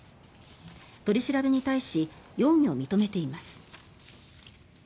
取り調べに対し容疑を認めています。